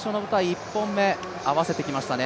１本目合わせてきましたね。